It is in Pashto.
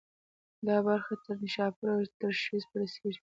دا برخه تر نیشاپور او ترشیز پورې رسېږي.